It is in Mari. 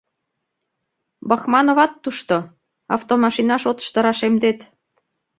Бахмановат тушто, автомашина шотышто рашемдет.